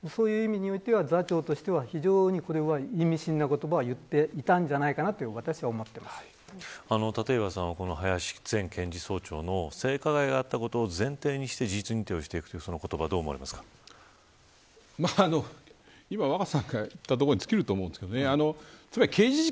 そういう意味においては座長としては非常に、これは意味深な言葉を言っていたんじゃないかなと立岩さんは林前検事総長の性加害があったこと前提にして事実認定をしていくという言葉を今若狭さんが言ったところに尽きると思うんですけどね。